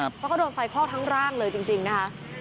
เพราะเขาโดนไฟคลอกทั้งร่างเลยจริงนะคะ